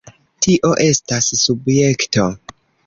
Tio estas... subjekto.